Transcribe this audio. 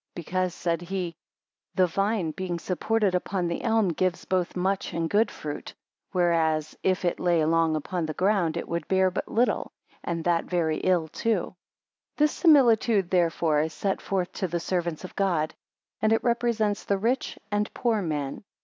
Because, said he, the vine being supported upon the elm gives both much and good fruit; whereas, if it lay along upon the ground, it would bear but little, and that very ill too. 6 This similitude, therefore, is set forth to the servants of God; and it represents the rich and poor man.